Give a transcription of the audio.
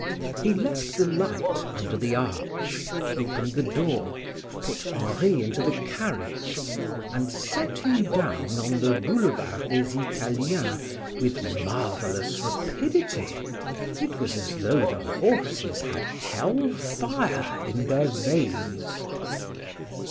He left the light under the arch, opened the door, put Henri into the carriage, and set him down on the Boulevard des Italiens with marvelous rapidity. It was as though the horses had hell fire in their veins.